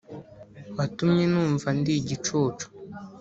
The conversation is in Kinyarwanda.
watumye numva ndi igicucu.